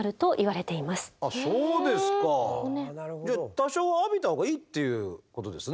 多少浴びたほうがいいっていうことですね？